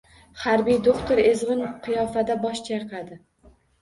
Harbiy do‘xtir ezg‘in qiyofada bosh chayqadi.